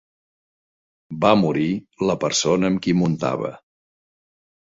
Va morir la persona amb qui muntava.